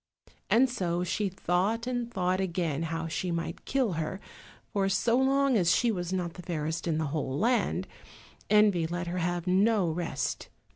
And so she thought and thought again how she might kill her, for so long as she was not the fairest in the whole land, envy let her have no rest.